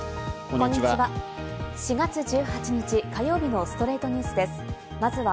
こんにちは。